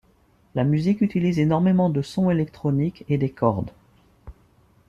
La musique utilise énormément de sons électroniques et des cordes.